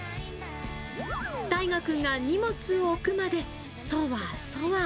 たいがくんが荷物を置くまでそわそわ。